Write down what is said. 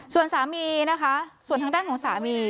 ส่วนสามีนะคะส่วนทางด้านของสามี